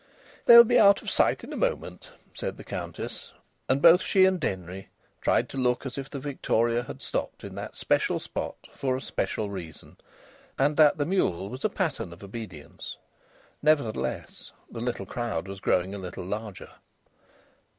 "They'll be out of sight in a moment," said the Countess. And both she and Denry tried to look as if the victoria had stopped in that special spot for a special reason, and that the mule was a pattern of obedience. Nevertheless, the little crowd was growing a little larger.